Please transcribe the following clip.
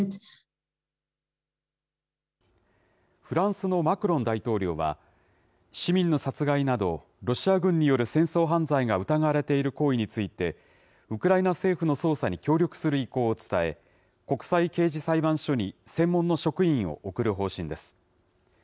フランスのマクロン大統領は、市民の殺害など、ロシア軍による戦争犯罪が疑われている行為について、ウクライナ政府の捜査に協力する意向を伝え、国際刑事裁判所に専門の職員を送る方針です。